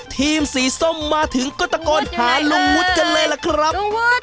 ทีมสีส้มมาถึงก็ตะโกนหาลุงวุฒิกันเลยล่ะครับ